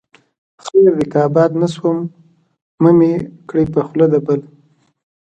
خير دى که آباد نه شوم، مه مې کړې په خوله د بل